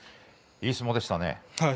いい相撲でしたね。